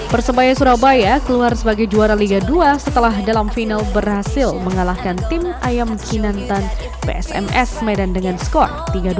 persebaya surabaya keluar sebagai juara liga dua setelah dalam final berhasil mengalahkan tim ayam kinantan psms medan dengan skor tiga dua